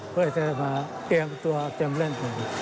เพื่อจะมาเตรียมตัวเตรียมเล่นกัน